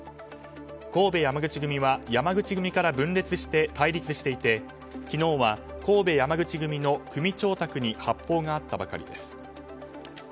神戸山口組は山口組から分裂して対立していて昨日は神戸山口組の組長宅に発砲があったばかりです。